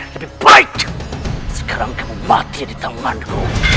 tapi baik sekarang kamu mati di tanganku